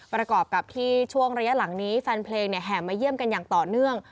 ประกอบกับที่ช่วงระยะหลังนี้แฟนเพลงแห่มาเยี่ยมกันอย่างต่อเนื่อง